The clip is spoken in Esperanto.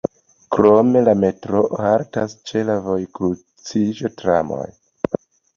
Krom la metroo haltas ĉe la vojkruciĝo tramoj.